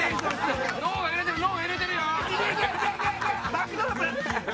バックドロップ！